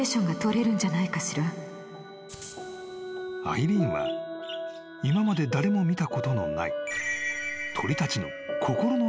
［アイリーンは今まで誰も見たことのない］